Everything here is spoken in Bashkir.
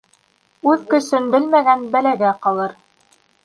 Үҙ көсөн белмәгән бәләгә ҡалыр.